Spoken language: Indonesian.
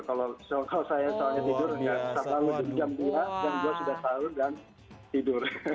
kalau saya soalnya tidur setelah menit jam dua jam dua sudah sahur dan tidur